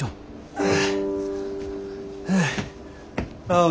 ああ。